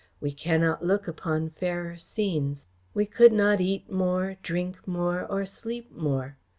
We cannot look upon fairer scenes. We could not eat more, drink more or sleep more.